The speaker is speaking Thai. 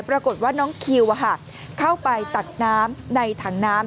ปรากฏว่าน้องคิวเข้าไปตักน้ำในถังน้ำ